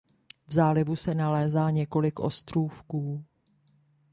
V zálivu se nalézá několik ostrůvků.